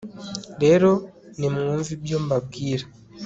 rero nimwumve ibyo mbabwira